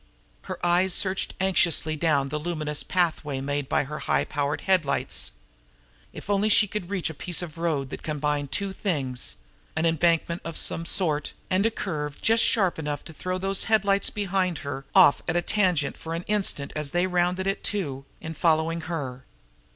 Her eyes searched anxiously down the luminous pathway made by her high powered headlights. If only she could reach a piece of road that combined two things an embankment of some sort, and a curve just sharp enough to throw those headlights behind off at a tangent for an instant as they rounded it, too, in following her.